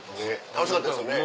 楽しかったですよね。